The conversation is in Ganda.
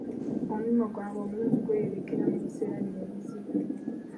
Omulimu gwabwe omulungi gweyolekera mu biseera bino ebizibu.